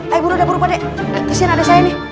ayo buru dah buru pak dek